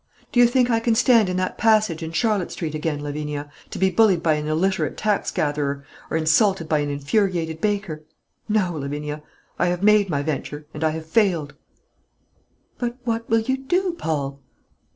Do you think I can stand in that passage in Charlotte Street again, Lavinia, to be bullied by an illiterate tax gatherer, or insulted by an infuriated baker? No, Lavinia; I have made my venture, and I have failed." "But what will you do, Paul?"